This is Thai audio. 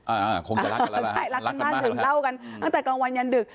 อ่าคงจะรักกันแล้วใช่รักกันมากดื่มเหล้ากันตั้งแต่กลางวันยันดึก